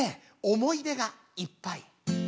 「想い出がいっぱい」。